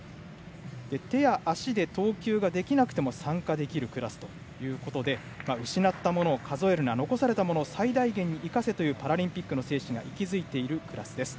手や足で投球ができなくても参加できるクラスということで失ったものを数えるな残されたものを最大限に生かせというパラリンピックの精神が息づいているクラスです。